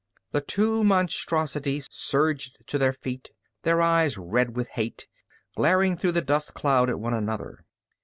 The two monstrosities surged to their feet, their eyes red with hate, glaring through the dust cloud at one another.